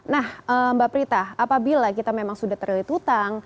nah mbak prita apabila kita memang sudah terlilit utang